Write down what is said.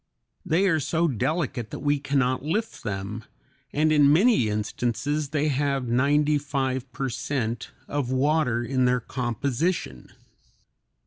They are so delicate that we can not lift them, and in many instances they have ninety five per cent of water in their composition.